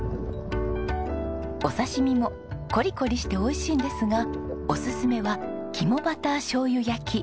お刺し身もコリコリして美味しいんですがおすすめは肝バター醤油焼き。